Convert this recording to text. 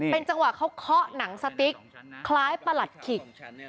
เป็นจังหวะเขาเคาะหนังสติ๊กคล้ายประหลัดขิก